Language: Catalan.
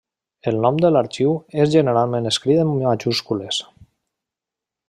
El nom de l'arxiu és generalment escrit en majúscules.